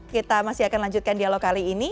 kita masih akan lanjutkan dialog kali ini